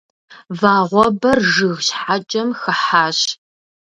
Вагъуэбэр жыг щхьэкӏэм хыхьащ.